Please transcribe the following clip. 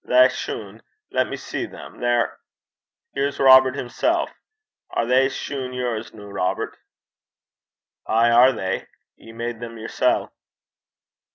Thae shune lat me see them they're Here's Robert himsel'. Are thae shune yours, noo, Robert?' 'Ay are they. Ye made them yersel'.'